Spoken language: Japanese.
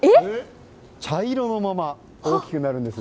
茶色のまま大きくなるんです。